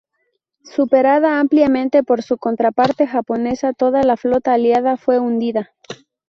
Superada ampliamente por su contraparte japonesa, toda la flota aliada fue hundida.